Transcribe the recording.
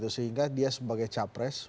sehingga dia sebagai capres